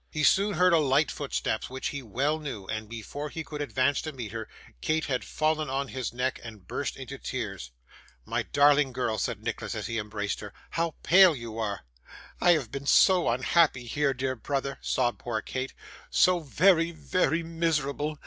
He soon heard a light footstep which he well knew, and before he could advance to meet her, Kate had fallen on his neck and burst into tears. 'My darling girl,' said Nicholas as he embraced her. 'How pale you are!' 'I have been so unhappy here, dear brother,' sobbed poor Kate; 'so very, very miserable.